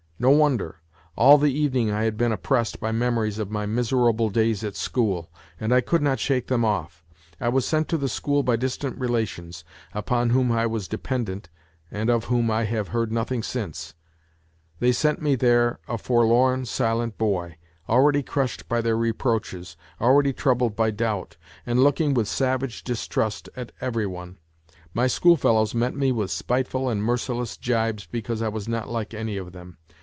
No wonder; all the evening I had been oppressed by memories of my miserable days at school, and I could not shake them off. I was sent to the school by distant relations, upon whom I was dependent and of whom I have heard nothing since they sent me there a forlorn, silent boy, already crushed by their reproaches, already troubled by doubt, and looking with savage distrust at every one. My schoolfellows met me with spiteful and merciless jibea because I was not like any of them.